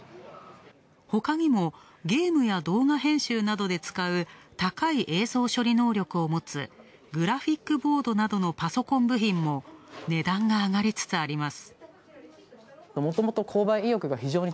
ほかにもゲームや動画編集などで使う高い映像処理能力を持つグラフィックボードなどのパソコン部品も値段が上がりつつあります。